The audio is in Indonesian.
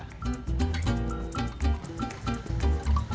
pemirsa yang menggunakan sampah ini untuk membuang sampah di tempat sebarangan